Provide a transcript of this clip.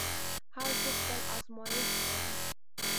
هر څوک خپل ازمېښت لري.